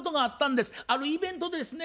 あるイベントでですね